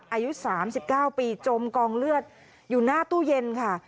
อายุ๓๙ปีจมกองเลือดอยู่หน้าตู้เย็นค่ะ